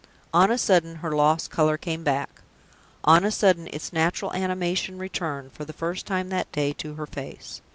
On a sudden, her lost color came back. On a sudden, its natural animation returned, for the first time that day, to her face.